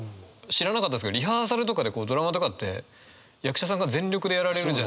知らなかったですけどリハーサルとかでドラマとかって役者さんが全力でやられるじゃないですか。